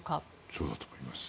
そうだと思います。